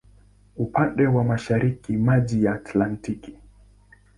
Upande wa mashariki maji ya Atlantiki.